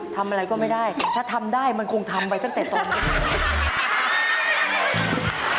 ทำอะไรก็ไม่ได้ถ้าทำได้มันคงทำไปตั้งแต่ตอนนี้